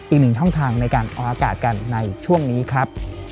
อีกหนึ่งช่องทางในการออกอากาศกันในช่วงนี้ครับ